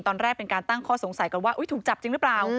ตอนแรกเป็นการตั้งข้อสงสัยกันว่าถูกจับจริงหรือเปล่า